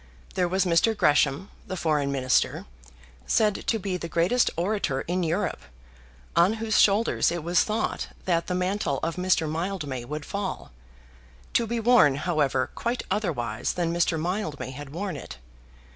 There was Mr. Gresham, the Foreign Minister, said to be the greatest orator in Europe, on whose shoulders it was thought that the mantle of Mr. Mildmay would fall, to be worn, however, quite otherwise than Mr. Mildmay had worn it.